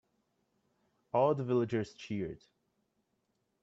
All the villagers cheered.